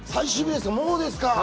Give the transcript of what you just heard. もうですか！